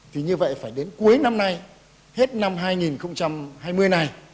thì như vậy phải đến cuối năm nay hết năm hai nghìn hai mươi này